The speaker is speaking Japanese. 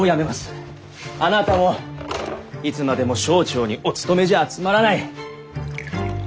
あなたもいつまでも省庁にお勤めじゃつまらない！